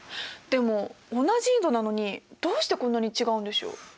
でも同じ緯度なのにどうしてこんなに違うんでしょう？